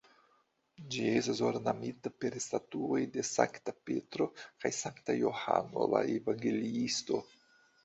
Ĝi estas ornamita per statuoj de Sankta Petro kaj Sankta Johano la Evangeliisto.